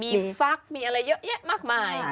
มีฟักมีอะไรเยอะแยะมากมาย